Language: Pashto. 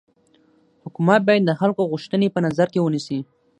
حکومت باید د خلکو غوښتني په نظر کي ونيسي.